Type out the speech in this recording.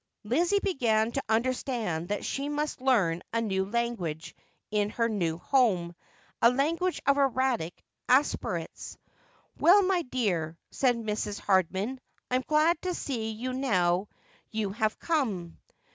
Lizzie began to understand that she must learn a new language in her new home, a language of erratic aspirates. ' Well, my dear,' said Mrs. Hardman, ' I'm glad to see you now you have come.